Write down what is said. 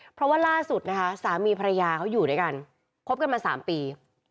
เพราะว่าล่าสุดนะคะสามีภรรยาเขาอยู่ด้วยกันคบกันมา๓ปี